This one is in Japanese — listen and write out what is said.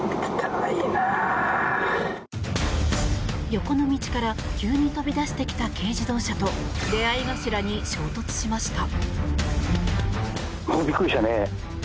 横の道から急に飛び出してきた軽自動車と出合い頭に衝突しました。